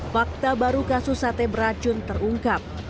fakta baru kasus sate beracun terungkap